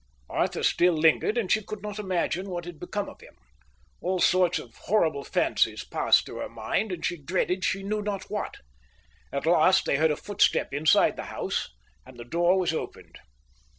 Arthur still lingered, and she could not imagine what had become of him. All sorts of horrible fancies passed through her mind, and she dreaded she knew not what. At last they heard a footstep inside the house, and the door was opened.